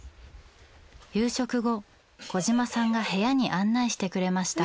夕食後小嶋さんが部屋に案内してくれました。